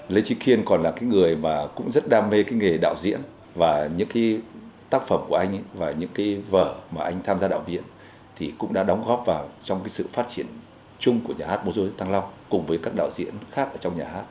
lê trí kiên còn là người rất đam mê nghề đạo diễn và những tác phẩm của anh và những vở mà anh tham gia đạo diễn cũng đã đóng góp vào sự phát triển chung của nhà hát múa dối thăng long cùng với các đạo diễn khác trong nhà hát